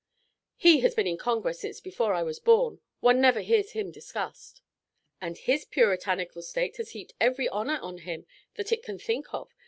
"He has been in Congress since before I was born. One never hears him discussed." "And his Puritanical State has heaped every honour on him that it can think of.